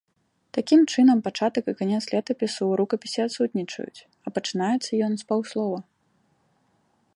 Такім чынам, пачатак і канец летапісу ў рукапісе адсутнічаюць, а пачынаецца ён з паўслова.